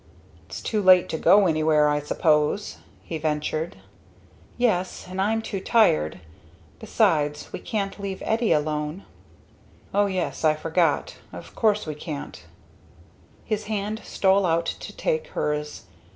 "It's too late to go anywhere, I suppose?" he ventured. "Yes and I'm too tired. Besides we can't leave Eddie alone." "O yes I forget. Of course we can't." His hand stole out to take hers.